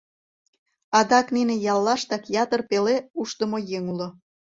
Адак нине яллаштак ятыр пеле ушдымо еҥ уло.